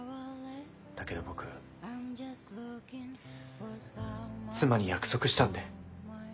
だけど僕妻に約束したんで。